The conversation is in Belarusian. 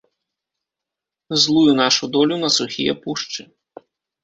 Злую нашу долю на сухія пушчы.